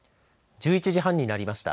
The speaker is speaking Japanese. １１時半になりました。